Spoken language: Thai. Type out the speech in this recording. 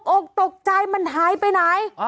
อกตกใจมันหายไปไหน